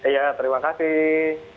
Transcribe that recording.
iya terima kasih